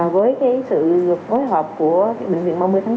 với sự phối hợp của bệnh viện ba mươi tháng bốn